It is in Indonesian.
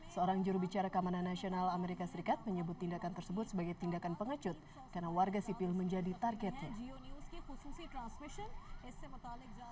seorang jurubicara kamanan nasional amerika serikat menyebut tindakan tersebut sebagai tindakan pengecut karena warga sipil menjadi target